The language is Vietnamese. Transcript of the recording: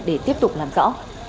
để tiếp tục làm rõ